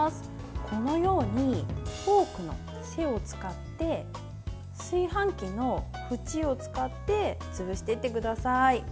このようにフォークの背を使って炊飯器のふちを使って潰していってください。